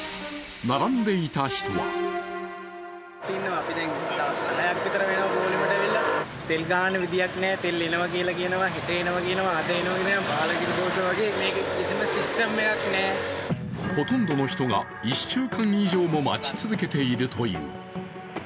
並んでいた人はほとんどの人が１週間以上も待ち続けているという。